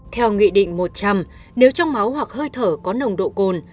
theo nghị định một trăm linh nếu trong máu hoặc hơi thở có nồng độ cồn